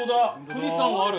富士山がある。